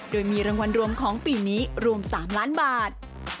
โดยมีรางวัลรวมของปีนี้รวม๓ล้านบาท